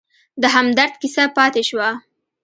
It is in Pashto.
د همدرد کیسه پاتې شوه.